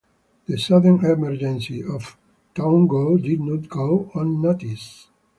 The sudden emergence of Toungoo did not go unnoticed.